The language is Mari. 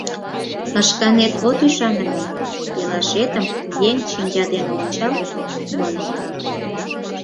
Шканет от ӱшане гын, пелашетым еҥ шинча дене ончал, маныт.